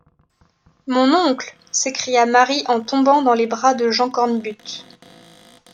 Mon oncle, s’écria Marie en tombant dans les bras de Jean Cornbutte.